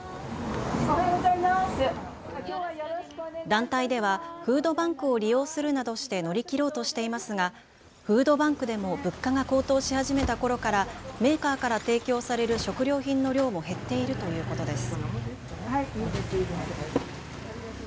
団体ではフードバンクを利用するなどして乗り切ろうとしていますがフードバンクでも物価が高騰し始めたころからメーカーから提供される食料品の量も減っているということです。